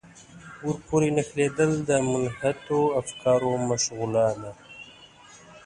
ورپورې نښلېدل د منحطو افکارو مشغولا ده.